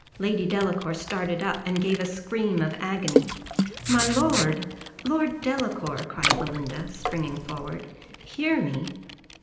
Lady Delacour started up, and gave a scream of agony. "My lord! Lord Delacour," cried Belinda, springing forward, "hear me."